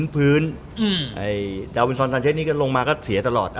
พื้นแดวินซอลซันเชสนี่ลงมาก็เสียตลอด